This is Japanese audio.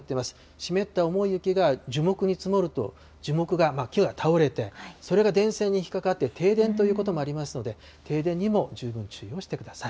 湿った重い雪が樹木に積もると、樹木が、木が倒れて、それが電線に引っかかって、停電ということもありますので、停電にも十分注意をしてください。